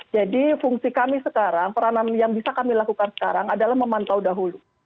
jadi fungsi kami sekarang peranan yang bisa kami lakukan sekarang adalah memantau dahulu